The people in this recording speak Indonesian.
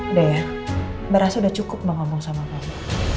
udah ya berasa udah cukup bawa bawa sama aku